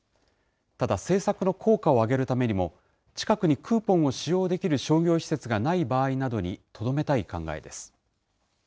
ただ政策の効果を上げるためにも、近くにクーポンを使用できる商業施設がない場合などにとどめたい考えです。